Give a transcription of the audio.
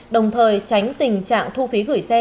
đồng thời tránh tình trạng thu phí gửi xe